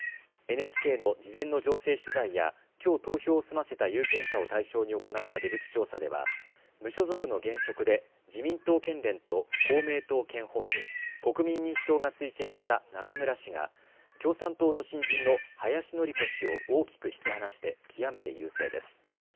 ＮＨＫの事前の情勢取材やきょう投票を済ませた有権者を対象に行った出口調査では無所属の現職で自民党県連と公明党県本部、国民民主党が推薦した中村氏が共産党の新人の林紀子氏を大きく引き離して極めて優勢です。